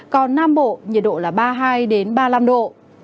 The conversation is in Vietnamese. còn nam bộ nhiệt độ là ba mươi hai ba mươi năm độ